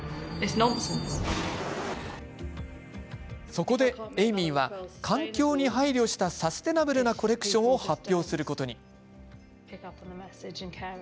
そこでエイミーは環境に配慮したサスティナブルなコレクションを発表することに。